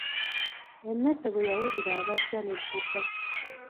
Emmese bwe yawulira abajja n’edduka.